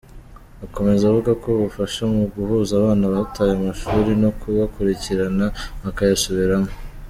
Akomeza avuga ko ubafasha mu guhuza abana bataye amashuri no kubakurikirana bakayasubiramo.